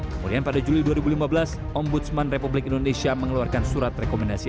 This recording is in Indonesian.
kemudian pada juli dua ribu lima belas ombudsman republik indonesia mengeluarkan surat rekomendasi